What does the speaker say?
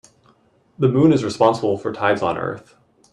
The moon is responsible for tides on earth.